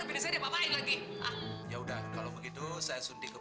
boleh boleh dong dong dong gue bf sendiri